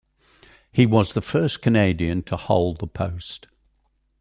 He was the first Canadian to hold the post.